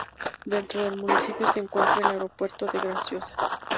Dentro del municipio se encuentra el aeropuerto de Graciosa.